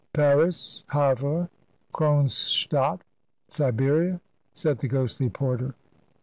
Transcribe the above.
"Paris, Havre, Kronstadt, Siberia," said the ghostly porter.